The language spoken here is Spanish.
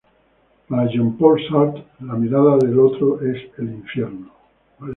Para Jean Paul Sartre, la mirada del otro es el infierno.